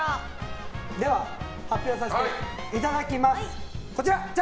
発表させていただきます。